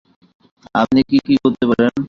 আপনি কী কী করতে পারেন?